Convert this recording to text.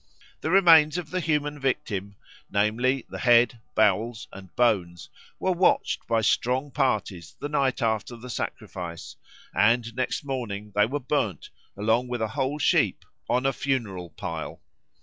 The remains of the human victim (namely, the head, bowels, and bones) were watched by strong parties the night after the sacrifice; and next morning they were burned, along with a whole sheep, on a funeral pile.